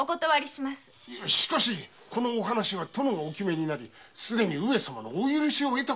しかしこのお話は殿がお決めになりすでに上様のお許しも。